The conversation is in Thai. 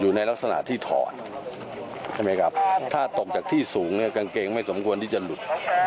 อยู่ในลักษณะที่ถอดถ้าตกจากที่สูงกางเกงไม่สมควรที่จะหลุด